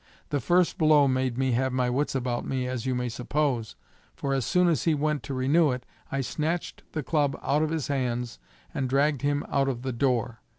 The first blow made me have my wits about me as you may suppose, for as soon as he went to renew it, I snatched the club out of his hands and dragged him out of the door.